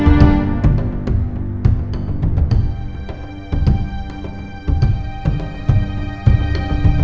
jadi gak usah bikin malu ya tolong